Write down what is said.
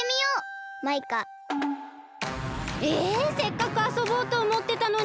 せっかくあそぼうとおもってたのに！